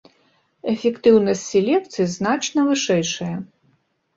Эфектыўнасць селекцыі значна вышэйшая.